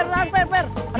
kelapa kelapa kelapa kelapa